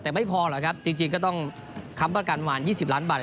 แต่ไม่พอหรอกครับจริงก็ต้องค้ำประกันประมาณ๒๐ล้านบาท